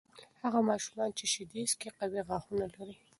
هغه ماشومان چې شیدې څښي، قوي غاښونه لري.